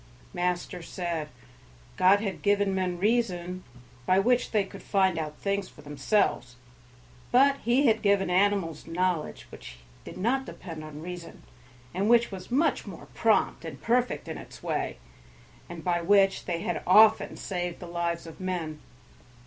Master said, God had given men reason, by which they could find out things for themselves; but he had given animals knowledge which did not depend on reason, and which was much more prompt and perfect in its way, and by which they had often saved the lives of men.